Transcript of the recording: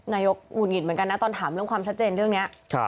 นายกหงุดหงิดเหมือนกันนะตอนถามเรื่องความชัดเจนเรื่องนี้